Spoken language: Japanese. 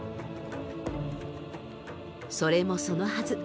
それもそのはず。